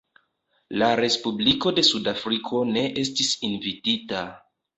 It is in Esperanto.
La Respubliko de Sudafriko ne estis invitita.